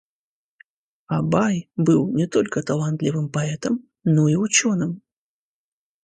Абай был не только талантливым поэтом, но и ученым.